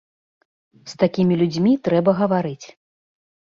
З такімі людзьмі трэба гаварыць.